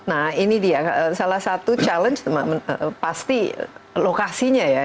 nah ini dia salah satu challenge pasti lokasinya ya